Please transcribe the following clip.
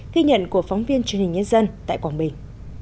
ghi nhận của phóng viên truyền hình nhân dân tại quảng bình